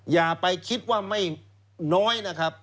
อย่าไปคิดว่าไม่น้อยนะครับ